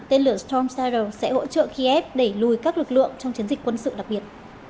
tên lửa storm shadow sẽ hỗ trợ khi ép đẩy lùi các lực lượng trong chiến dịch quân sự đặc biệt